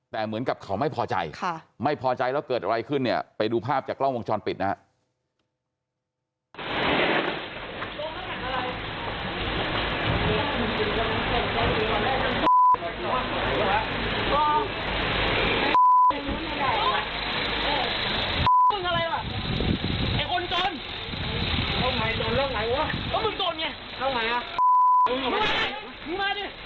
แต่เหมือนกับเขาไม่พอใจไม่พอใจแล้วเกิดอะไรขึ้นเนี่ยไปดูภาพจากกล้องวงจรปิดนะฮะ